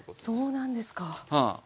そうなんですか。